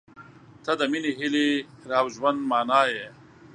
• ته د مینې، هیلې، او ژوند معنی یې.